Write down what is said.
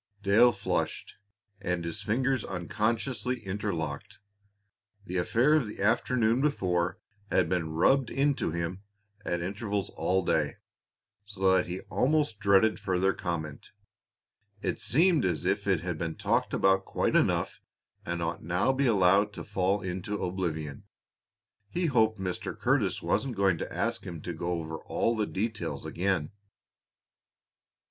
Dale flushed, and his fingers unconsciously interlocked. The affair of the afternoon before had been "rubbed into him" at intervals all day, so that he almost dreaded further comment. It seemed as if it had been talked about quite enough and ought now be allowed to fall into oblivion. He hoped Mr. Curtis wasn't going to ask him to go over all the details again.